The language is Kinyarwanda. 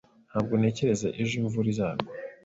Ntabwo ntekereza ko ejo imvura izagwa.